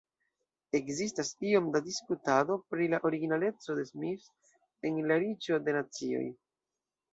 Ekzistas iom da diskutado pri la originaleco de Smith en La Riĉo de Nacioj.